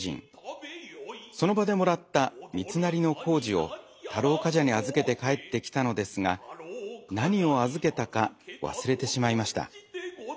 その場で貰った三つ成りの柑子を太郎冠者に預けて帰ってきたのですが何を預けたか忘れてしまいました。